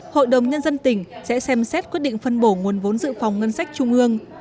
hội đồng nhân dân tỉnh sẽ xem xét quyết định phân bổ nguồn vốn dự phòng ngân sách trung ương